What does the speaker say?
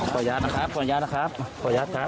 ขออนุญาตนะครับขออนุญาตครับขออนุญาตครับขออนุญาตครับ